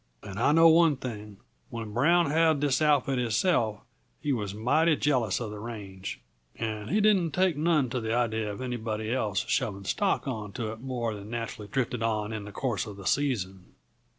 And I know one thing: when Brown had this outfit himself he was mighty jealous uh the range, and he didn't take none to the idea of anybody else shoving stock onto it more than naturally drifted on in the course uh the season.